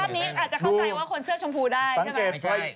ดูจากภาพนี้อาจจะเข้าใจว่าคนเสื้อชมพูได้